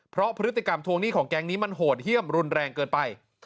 เพราะพฤติกรรมทวงหนี้ของแก๊งนี้มันโหดเยี่ยมรุนแรงเกินไป